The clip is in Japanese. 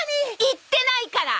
言ってないから！！